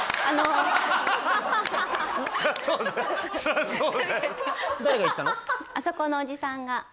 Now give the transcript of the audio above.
あそこのおじさんが。